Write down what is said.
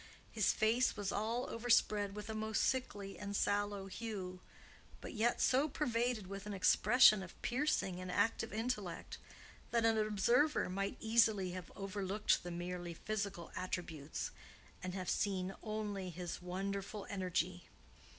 His face was all overspread with a most sickly and sallow hue, but yet so pervaded with an expression of piercing and active intellect that an observer might easily have overlooked the merely physical attributes and have seen only this wonderful energy.